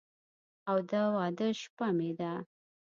او د واده شپه مې ده